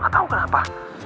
gak tau kenapa